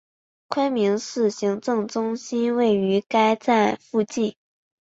昆明市行政中心位于该站附近。